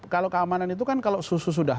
kalau keamanan itu kan kalau susu sudah